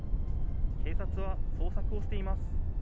警察は捜索をしています。